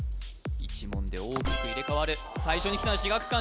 １問で大きく入れ替わる最初にきたのは志學館